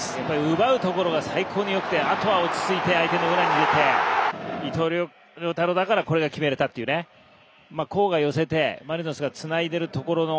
奪うところが最高によくてあとは落ち着いて伊藤涼太郎だから決められたという、寄せてマリノスがつないでるところの